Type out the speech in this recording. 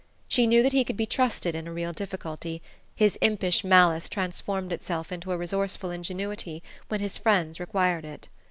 She knew that he could be trusted in a real difficulty; his impish malice transformed itself into a resourceful ingenuity when his friends required it.